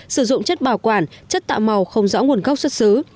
sử dụng chất bảo quản chất tạo màu không rõ nguồn gốc xuất xứ